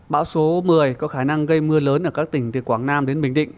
bão số một mươi có khả năng gây mưa lớn ở các tỉnh từ quảng nam đến bình định